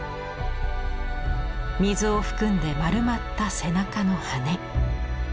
水を含んで丸まった背中の羽。